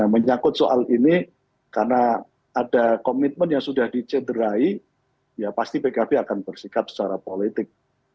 menyangkut soal ini karena ada komitmen yang sudah dicederai ya pasti pkb akan bersikap secara politik